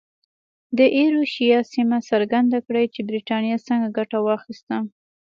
د ایروشیا سیمه څرګنده کړي چې برېټانیا څنګه ګټه واخیسته.